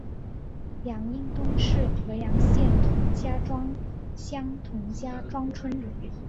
杨荫东是合阳县同家庄乡同家庄村人。